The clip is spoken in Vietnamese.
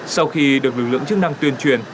sau khi được lực lượng chức năng tuyên truyền